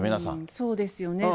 そうですよね。